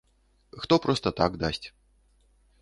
Хто проста так дасць.